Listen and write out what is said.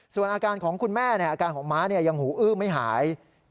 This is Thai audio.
ส่วนอาการของคุณแม่อาการของม้ายังหูอื้อไม่หาย